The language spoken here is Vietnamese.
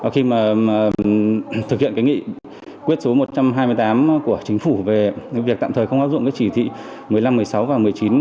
khi mà thực hiện cái nghị quyết số một trăm hai mươi tám của chính phủ về việc tạm thời không áp dụng cái chỉ thị một mươi năm một mươi sáu và một mươi chín